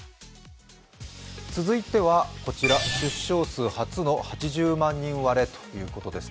続いては出生数初の８０万人割れということです。